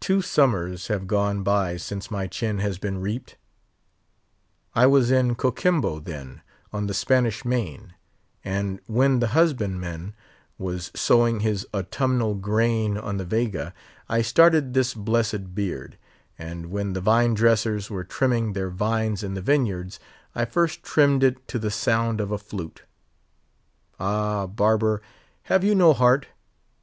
"Two summers have gone by since my chin has been reaped. I was in Coquimbo then, on the Spanish Main; and when the husband man was sowing his Autumnal grain on the Vega, I started this blessed beard; and when the vine dressers were trimming their vines in the vineyards, I first trimmed it to the sound of a flute. Ah! barber, have you no heart?